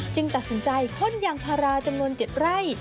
ตัดสินใจพ่นยางพาราจำนวน๗ไร่